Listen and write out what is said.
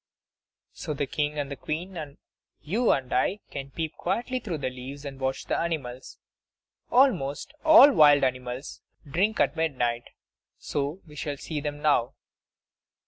So the King and Queen, and you and I, can peep quietly through the leaves and watch the animals. Almost all wild animals drink at midnight; so we shall see them now.